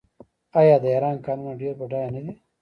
آیا د ایران کانونه ډیر بډایه نه دي؟